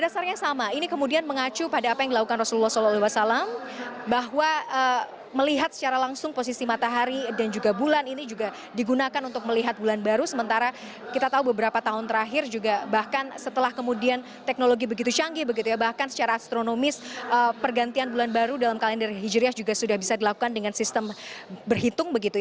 sementara kita tahu beberapa tahun terakhir juga bahkan setelah kemudian teknologi begitu canggih bahkan secara astronomis pergantian bulan baru dalam kalender hijriah juga sudah bisa dilakukan dengan sistem berhitung